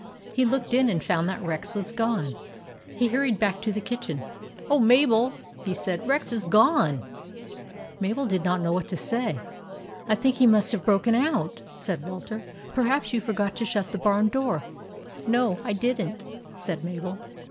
He looked in and found that Rex was gone. He hurried back to the kitchen. " Oh, Mabel !" he said ;" Rex is gone !" Mabel did not know what to say. " I think he must have broken out," said Walter. " Perhaps you forgot to shut the barn door." " No, I did n't," said Mabel.